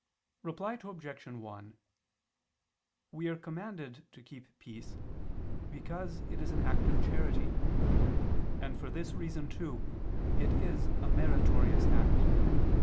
Reply Obj. 1: We are commanded to keep peace because it is an act of charity; and for this reason too it is a meritorious act.